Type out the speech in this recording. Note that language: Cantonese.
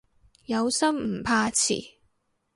有心唔怕遲